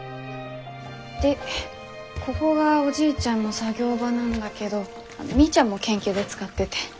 でここがおじいちゃんの作業場なんだけどみーちゃんも研究で使ってて。